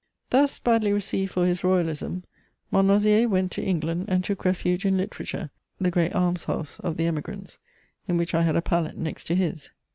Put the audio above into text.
Thus badly received for his royalism, Montlosier went to England, and took refuge in literature, the great almshouse of the Emigrants, in which I had a pallet next to his.